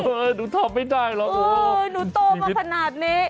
เออหนูทำไม่ได้หรอกโอ้โฮชีวิตหนูโตมาขนาดนี้